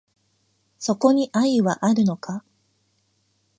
そこに愛はあるのか